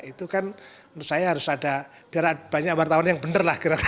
itu kan menurut saya harus ada biar banyak wartawan yang bener lah kira kira